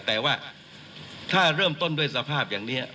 แต่ว่าถ้าเริ่มต้นด้วยสภาพอย่างนี้